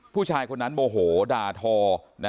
ผู้ชายคนนั้นโมโหด่าทอ